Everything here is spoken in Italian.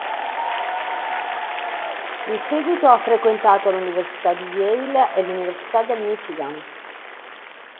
In seguito ha frequentato l'università di Yale e l'università del Michigan.